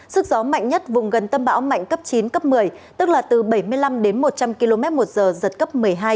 sức gió mạnh nhất vùng gần tâm bão mạnh cấp chín cấp một mươi tức là từ bảy mươi năm đến một trăm linh km một giờ giật cấp một mươi hai